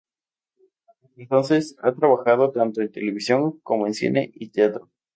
Desde entonces, ha trabajado tanto en televisión como en cine y teatro.